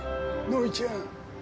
ノイちゃん。